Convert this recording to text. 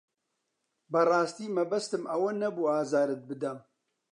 بەڕاستی مەبەستم ئەوە نەبوو ئازارت بدەم.